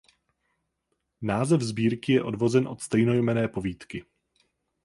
Název sbírky je odvozen od stejnojmenné povídky.